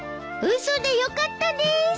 嘘でよかったです！